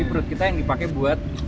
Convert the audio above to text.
jadi perut kita yang dipake buat